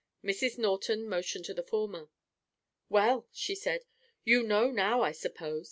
Mrs. Norton motioned to the former. "Well," she said, "you know now, I suppose.